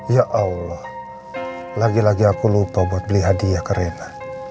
ya allah lagi lagi aku lupa buat beli hadiah karena